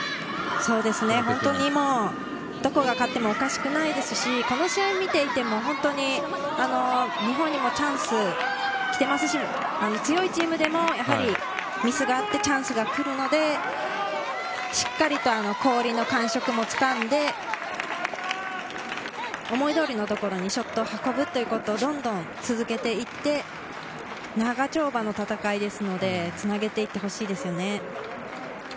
本当にどこが勝ってもおかしくないですし、この試合を見ていても日本にもチャンスは来ていますし、強いチームでもやはりミスがあってチャンスが来るのでしっかり氷の感触をつかんで思い通りのところにショットを運ぶということをどんどん続けていって、長丁場の戦いですので、つなげていってほしいですね。